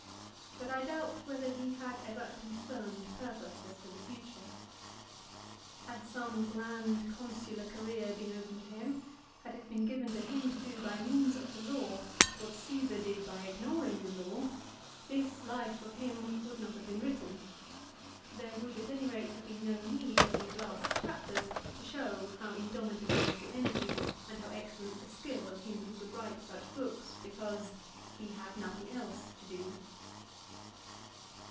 But I doubt whether he had ever a confirmed purpose as to the future. Had some grand Consular career been open to him, had it been given to him to do by means of the law what Cresar did 310 LIFE OF CICERO. by ignoring the law, this life of him would not have been written. There would at any rate have been no need of these last chapters to show how indomitable was the energy and how excellent the skill of him who could write such books, because he had nothing else to do.